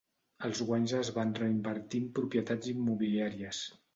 Els guanys es van reinvertir en propietats immobiliàries.